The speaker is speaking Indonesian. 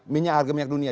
minyak harga minyak dunia